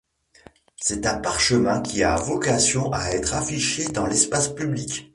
C'est un parchemin qui a vocation à être affiché sur l'espace public.